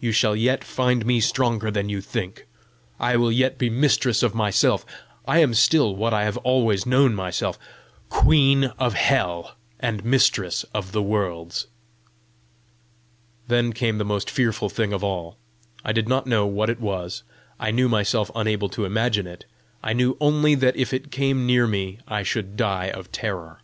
You shall yet find me stronger than you think! I will yet be mistress of myself! I am still what I have always known myself queen of Hell, and mistress of the worlds!" Then came the most fearful thing of all. I did not know what it was; I knew myself unable to imagine it; I knew only that if it came near me I should die of terror!